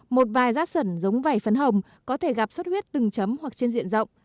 một vài rát sẩn giống vải phấn hồng có thể gặp suốt huyết từng chấm hoặc trên diện rộng